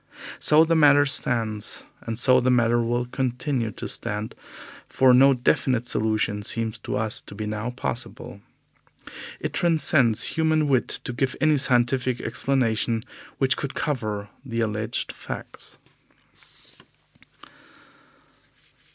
So the matter stands, and so the matter will continue to stand, for no definite solution seems to us to be now possible. It transcends human wit to give any scientific explanation which could cover the alleged facts."